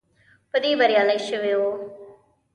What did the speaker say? په دې بریالی شوی وو.